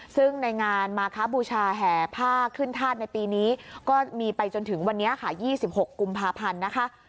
ซึ่งในงานมาครับบูชาแห่ผ้าขึ้นธาตุในปีนี้ก็มีไปจนถึงวันนี้ค่ะ๒๖กุมภาพันธ์นะคะ